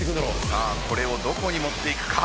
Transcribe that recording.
さあこれをどこに持っていくか？